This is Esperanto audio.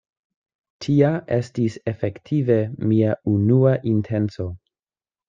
Tia estis efektive mia unua intenco.